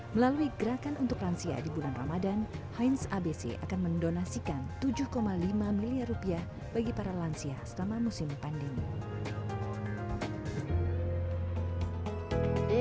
melalui gerakan untuk lansia di bulan ramadan heinz abc akan mendonasikan tujuh lima miliar rupiah bagi para lansia selama musim pandemi